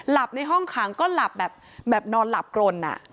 หลับในห้องขังก็หลับแบบแบบนอนหลับกรนอ่ะ